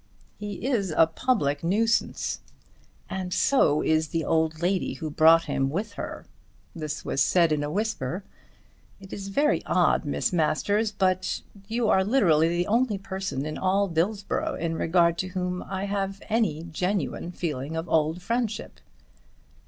"He is a public nuisance, and so is the old lady who brought him here." This was said quite in a whisper. "It is very odd, Miss Masters, but you are literally the only person in all Dillsborough in regard to whom I have any genuine feeling of old friendship."